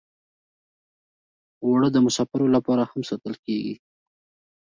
اوړه د مسافرو لپاره هم ساتل کېږي